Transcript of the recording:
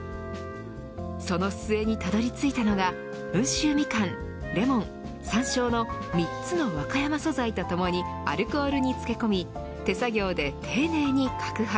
その末にたどり着いたのが温州ミカン、レモンサンショウの３つの和歌山素材とともにアルコールに漬け込み手作業で丁寧に撹拌。